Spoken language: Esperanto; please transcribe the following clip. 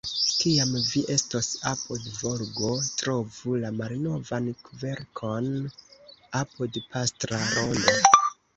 Kiam vi estos apud Volgo, trovu la malnovan kverkon apud Pastra Rondo.